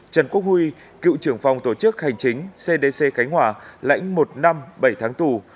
trần quốc huy cựu trưởng phòng tổ chức hành chính cdc khánh hòa lãnh một năm bảy tháng tù